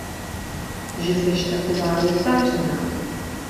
Že seš taková rozzářená?